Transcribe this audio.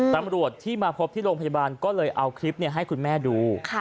ตำรวจที่มาพบที่โรงพยาบาลก็เลยเอาคลิปให้คุณแม่ดู